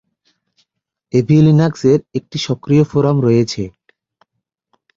AV লিনাক্সের একটি সক্রিয় ফোরাম রয়েছে।